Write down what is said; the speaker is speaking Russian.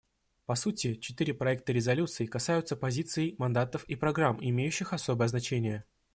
По сути, четыре проекта резолюций касаются позиций, мандатов и программ, имеющих особое значение.